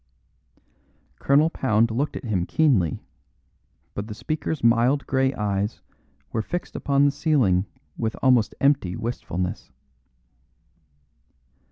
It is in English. Colonel Pound looked at him keenly, but the speaker's mild grey eyes were fixed upon the ceiling with almost empty wistfulness.